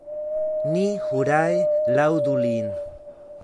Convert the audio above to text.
Ni hurae laŭdu lin!